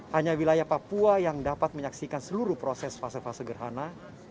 hanya wilayah papua yang dapat menyaksikan seluruh proses fase fase gerhana